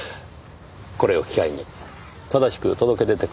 これを機会に正しく届け出てください。